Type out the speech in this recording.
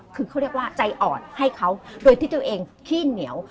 คือเขาเรียกว่าใจอ่อนให้เขาโดยที่ตัวเองขี้เหนียว